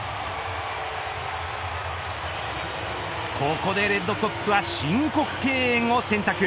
ここでレッドソックスは申告敬遠を選択。